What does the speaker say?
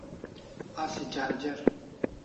Asi charger